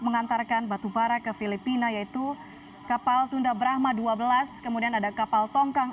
mengantarkan batubara ke filipina yaitu kapal tunda brahma dua belas kemudian ada kapal tongkang